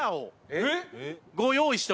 えっ？